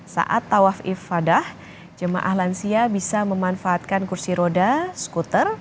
saat tawaf ifadah jemaah lansia bisa memanfaatkan kursi roda skuter